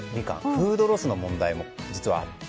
フードロスの問題も実があって。